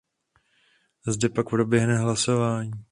Zde pak proběhne hlasování.